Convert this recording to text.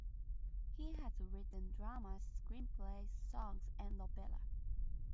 He has written dramas, screenplays, songs and opera.